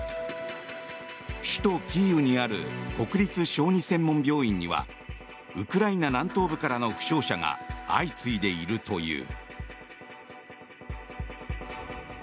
首都キーウにある国立小児専門病院にはウクライナ南東部からの負傷者が相次いでいるという。